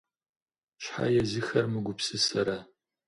Щхьэ езыхэр мыгупсысэрэ?!